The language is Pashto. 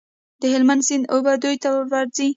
د هلمند سیند اوبه دوی ته ورځي.